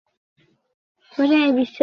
দেখিল তাহাতে বিশেষ ফল হইল না।